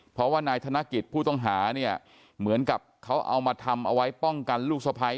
เพราะว่านายธนกิจผู้ต้องหาเนี่ยเหมือนกับเขาเอามาทำเอาไว้ป้องกันลูกสะพ้าย